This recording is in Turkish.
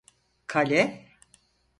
Kale!